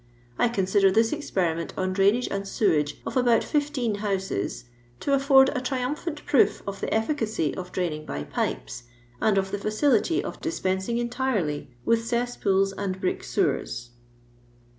I consider this experiment on draioage and sewage of about fifteen houses to a£furd a triumphant proof of the efficacy of draining by pipes, and of the fiicility of dupensing entirely with cesspcoh and brick seKert.